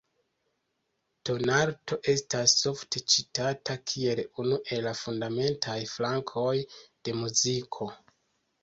Tonalto estas ofte citata kiel unu el la fundamentaj flankoj de muziko.